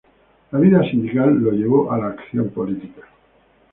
La vida sindical lo llevó a la acción política.